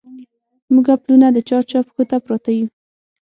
موږه پلونه د چا، چا پښو ته پراته يو